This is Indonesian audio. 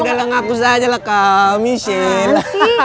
udah lah ngaku saja lah kak michelle